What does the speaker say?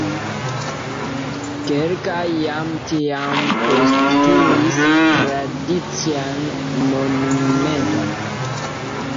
Kelkaj jam tiam postulis tradician monumenton.